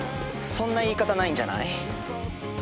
そんな言い方ないんじゃない？